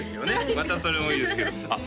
またそれもいいですけどあっ